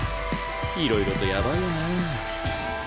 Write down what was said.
いろいろとやばいよなぁ。